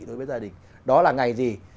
đối với gia đình đó là ngày gì